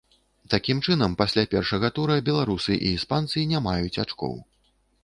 Такім чынам, пасля першага тура беларусы і іспанцы не маюць ачкоў.